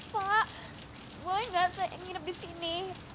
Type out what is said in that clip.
pak boleh enggak saya nginap di sini